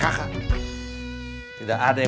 tidak ada yang bisa maksa saya